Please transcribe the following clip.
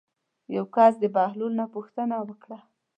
یو کس د بهلول نه پوښتنه وکړه.